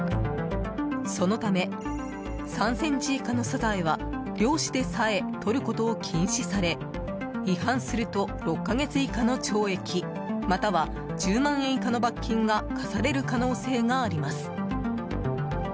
そのため３ｃｍ以下のサザエは漁師でさえ、とることを禁止され違反すると６か月以下の懲役または１０万円以下の罰金が科される可能性があります。